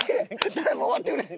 頼む終わってくれ！